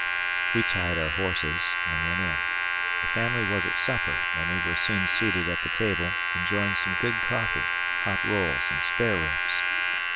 We tied our horses and went in. The family was at supper, and we were soon seated at the table enjoying some good coffee, hot rolls, and spareribs.